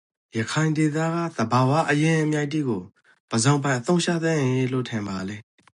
ရခိုင်ဒေသကသဘာ၀အရင်းအမြစ်တိကိုပဇောင်ပိုင်အသုံးချသင့်ရေလို့ ထင်ပါလဲ?